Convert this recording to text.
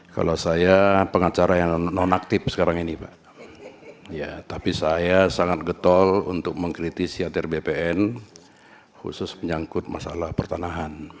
kalau saya pengacara yang nonaktif sekarang ini pak tapi saya sangat getol untuk mengkritisi atr bpn khusus menyangkut masalah pertanahan